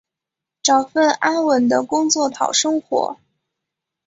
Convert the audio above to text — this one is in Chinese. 找份安稳的工作讨生活